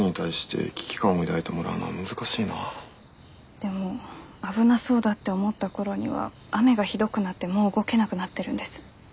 でも危なそうだって思った頃には雨がひどくなってもう動けなくなってるんです。